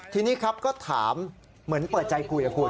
ทีนี้ครับก็ถามเหมือนเปิดใจคุยกับคุณ